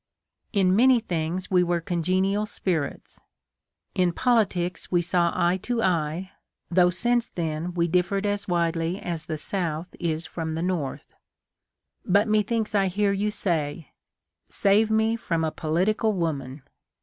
" In many things we were congenial spirits. In politics we saw eye to eye, though since then we differed as widely as the South is from the North. But methinks I hear you say, ' Save me from a political woman